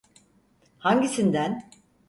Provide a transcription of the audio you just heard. Hangisinden?